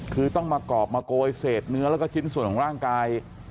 คือต้องมากรอบมาโกยเศษเนื้อแล้วก็ชิ้นส่วนของร่างกาย